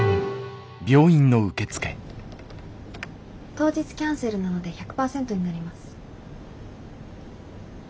当日キャンセルなので１００％になります。